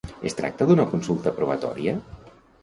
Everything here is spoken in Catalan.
Es tracta d'una consulta aprovatòria?